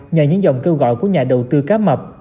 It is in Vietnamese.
nhờ những dòng kêu gọi của nhà đầu tư cá mập